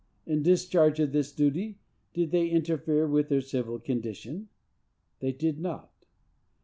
In discharge of this duty, did they interfere with their civil condition? They did not.